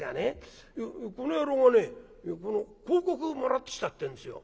この野郎がねこの広告もらってきたってんですよ。